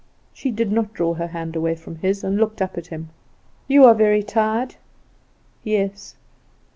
She did not draw her hand away from his, and looked up at him. "You are very tired?" "Yes."